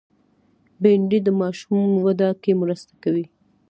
بېنډۍ د ماشوم وده کې مرسته کوي